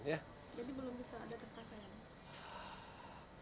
jadi belum bisa ada tersangka ya